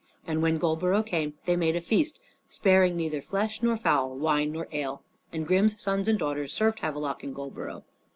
And when Goldborough came, they made a feast, sparing neither flesh nor fowl, wine nor ale. And Grim's sons and daughters served Havelok and Goldborough.